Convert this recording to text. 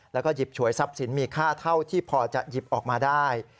แล้วก็หยิบฉวยทรัพย์สินมีค่าเท่าที่พอจะหยิบออกมาได้